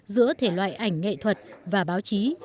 giữa thể loại ảnh nghệ thuật và báo chí